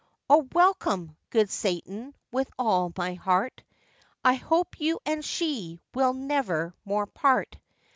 'O, welcome! good Satan, with all my heart, I hope you and she will never more part.